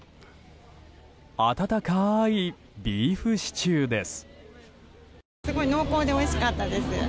温かいビーフシチューです。